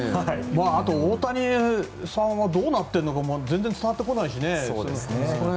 あと、大谷さんはどうなってるのか全然伝わってこないしね。